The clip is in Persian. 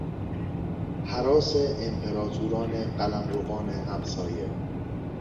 هراس امپراتوران قلمروان همسایه